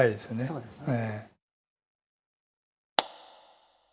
そうですね。